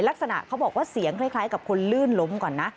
ลักษณะเขาบอกว่าเสียงคล้ายกับคนลื่นล้มก่อนนะ